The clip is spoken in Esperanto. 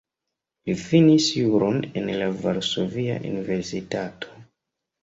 Li finis juron en la Varsovia Universitato.